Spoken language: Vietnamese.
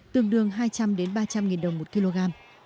tương đương hai trăm linh đến ba trăm linh nghìn đồng một kg